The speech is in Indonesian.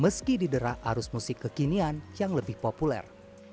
meski diderah arus musik kekinian yang lebih populer